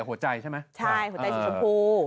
หัวใจใช่ไหมใช่หัวใจสีชมพู